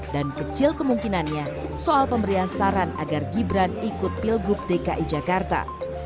dan kecil kemungkinannya soal pemberian saran agar gibran ikut pilgub dki jakarta